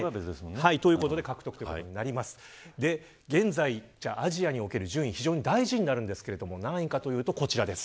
現在、アジアにおける順位非常に大事になりますが何位かというとこちらです。